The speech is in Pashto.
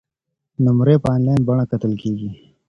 نمرې په انلاین بڼه کتل کیږي.